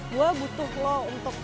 gue butuh lo untuk